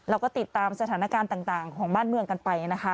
เราก็ติดตามสถานการณ์ต่างของบ้านเมืองกันไปนะคะ